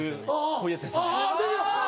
こういうやつですよね。